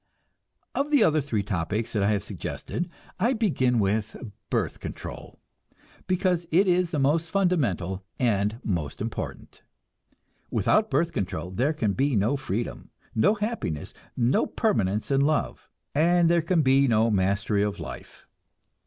Of the other three topics that I have suggested, I begin with birth control, because it is the most fundamental and most important. Without birth control there can be no freedom, no happiness, no permanence in love, and there can be no mastery of life.